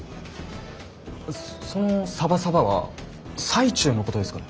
そのサバサバは最中のことですかね？